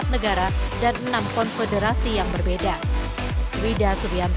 lima puluh empat negara dan enam konfederasi yang berbeda